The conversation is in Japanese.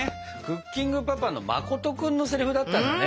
「クッキングパパ」のまこと君のセリフだったんだね。